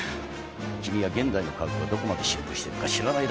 君は現代の科学がどこまで進歩してるか知らないだけだよ。